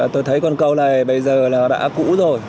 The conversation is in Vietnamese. tôi thấy con cầu này bây giờ nó đã cũ rồi